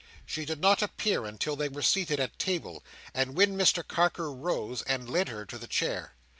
She did not appear until they were seated at table, when Mr Carker rose and led her to her chair.